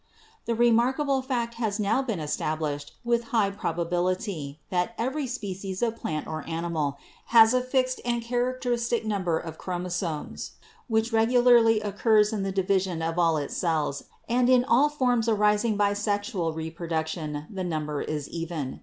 "The remarkable fact has now been established with high probability that every species of plant or animal has a fixed and characteristic number of chromosomes, which regularly occurs in the division of all of its cells and in all forms arising by sexual reproduction the number is even.